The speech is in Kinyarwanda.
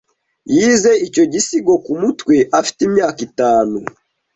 Yize icyo gisigo kumutwe afite imyaka itanu.